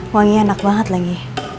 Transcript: wanginya enak banget lagi